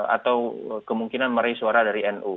atau kemungkinan meraih suara dari nu